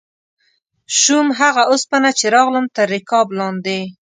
شوم هغه اوسپنه چې راغلم تر رکاب لاندې